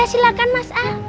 alah silakan mas al